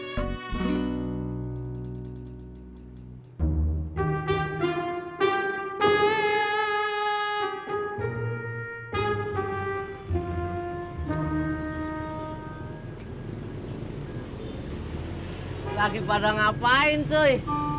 hai lagi pada ngapain cuy